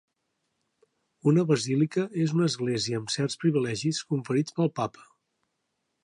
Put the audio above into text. Una basílica és una església amb certs privilegis conferits pel Papa.